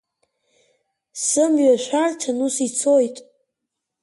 Сымҩа шәарҭан ус ицоит…